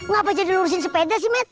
ngapa jadi lu urusin sepeda sih met